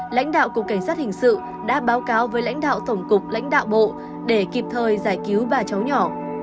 lãnh đạo cục cảnh sát hình sự đã báo cáo với lãnh đạo tổng cục lãnh đạo bộ để kịp thời giải cứu ba cháu nhỏ